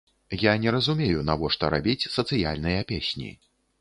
Я не разумею, навошта рабіць сацыяльныя песні!